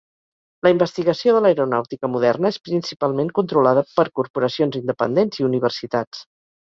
La investigació de l'aeronàutica moderna és principalment controlada per corporacions independents i universitats.